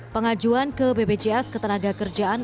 pengajuan ke bpjs ketenagakerjaan